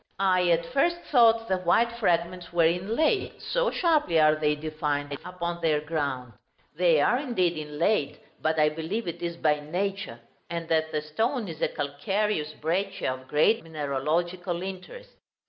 I at first thought the white fragments were inlaid, so sharply are they defined upon their ground. They are indeed inlaid, but I believe it is by nature; and that the stone is a calcareous breccia of great mineralogical interest.